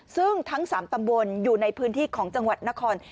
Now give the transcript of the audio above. ซึ่งทั้ง๓ตำบลอยู่ในพื้นที่ของจังหวัดนคร